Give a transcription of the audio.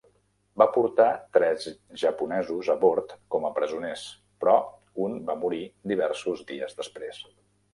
Va portar tres japonesos a bord com a presoners, però un va morir diversos dies després.